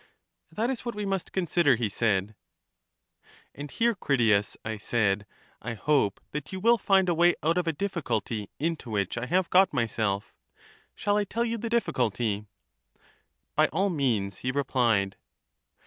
That is what we must consider, he said. And here, Critias, I said, I hope that you will find a way out of a difficulty into which I have got myself. Shall I tell you the difiiculty? By all means^ he replied.